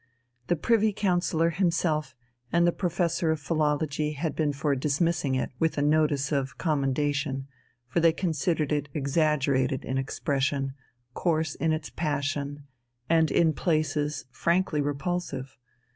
The Privy Councillor himself and the Professor of Philology had been for dismissing it with a notice of commendation; for they considered it exaggerated in expression, coarse in its passion, and in places frankly repulsive.